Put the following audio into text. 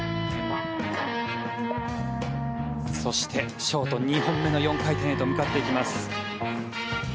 そして、ショート２本目の４回転へと向かっていきます。